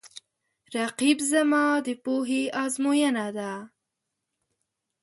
رقیب زما د پوهې آزموینه ده